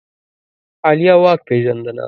عالیه واک پېژندنه